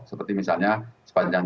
seperti misalnya sepanjang